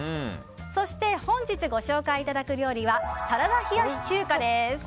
そして本日ご紹介いただく料理はサラダ冷やし中華です。